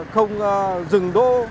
không dừng đô